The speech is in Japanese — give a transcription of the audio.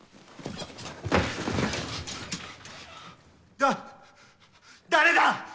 だ誰だ！